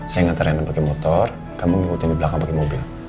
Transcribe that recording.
saya ngantarin pakai motor kamu ngikutin di belakang pakai mobil